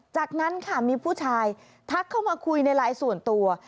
จากนั้นค่ะมีผู้ชายทักเข้ามาคุยในไลน์ส่วนตัว